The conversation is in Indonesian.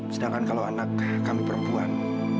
sedangkan kalau anak kami perempuan